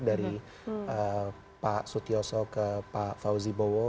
dari pak sutioso ke pak fauzi bowo